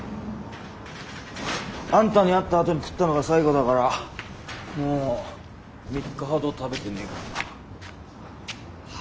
あんたに会ったあとに食ったのが最後だからもう３日ほど食べてねぇかもな。は？